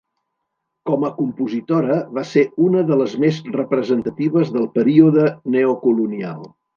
Com a compositora va ser una de les més representatives del període neocolonial.